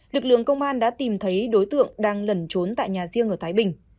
lực lượng công an đã tìm thấy đối tượng đang lẩn trốn tại nhà riêng ở thái bình